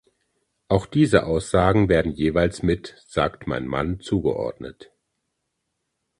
Auch diese Aussagen werden jeweils mit „sagt mein Mann“ zugeordnet.